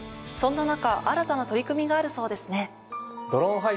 そんな中新たな取り組みがあるそうですね。